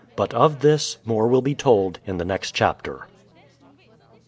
But of this, more will be told in the next chapter.